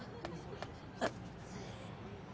あっ。